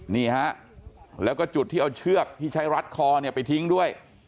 นี่ฮะแล้วก็จุดที่เอาเชือกที่ใช้รัดคอเนี่ยไปทิ้งด้วย